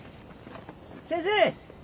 先生。